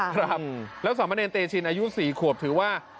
ครับแล้วสามเณรเตชินอายุ๔ขวบถือว่า